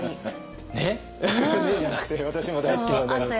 「ね！」じゃなくて私も大好きなので。